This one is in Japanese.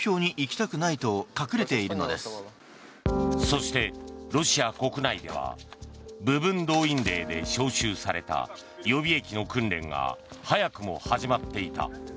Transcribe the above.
そしてロシア国内では部分動員令で招集された予備役の訓練が早くも始まっていた。